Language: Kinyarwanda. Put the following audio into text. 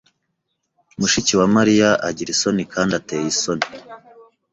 Mushiki wa Mariya agira isoni kandi ateye isoni.